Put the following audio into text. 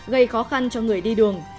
gây khó khăn cho người đi đường